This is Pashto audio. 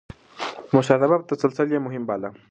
د مشرتابه تسلسل يې مهم باله.